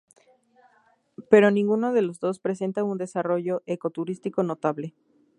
Pero ninguno de los dos presenta un desarrollo ecoturístico notable.